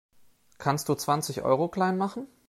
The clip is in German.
Kannst du zwanzig Euro klein machen?